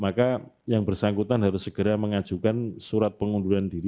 maka yang bersangkutan harus segera mengajukan surat pengunduran diri